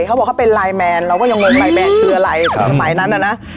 เขาบอกเขาเป็นไลน์แมนเราก็ยังงงไลนแมนคืออะไรสมัยนั้นน่ะนะ